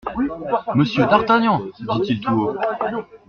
Monsieur d'Artagnan ! dit-il tout haut.